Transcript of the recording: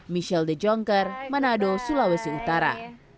michelle dejongker manado sulawesi utara